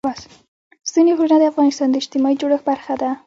ستوني غرونه د افغانستان د اجتماعي جوړښت برخه ده.